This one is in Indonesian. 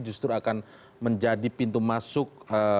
justru akan menjadi pintu masuk